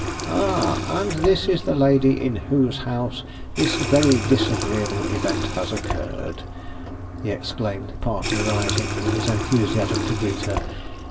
"Ah! and this is the lady in whose house this very disagreeable event has occurred," he exclaimed, partly rising in his enthusiasm to greet her.